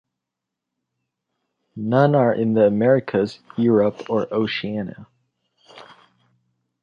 None are in the Americas, Europe, or Oceania.